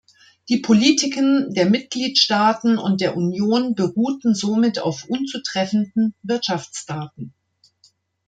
Die Politiken der Mitgliedstaaten und der Union beruhten somit auf unzutreffenden Wirtschaftsdaten.